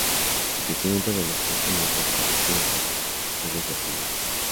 El crecimiento de la clase media afrodescendientes se desaceleró.